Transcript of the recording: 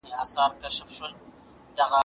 که حضوري زده کړه وي، نو د چاپېریال بدلون وي.